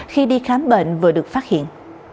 khi đi khám bệnh vừa được phát hiện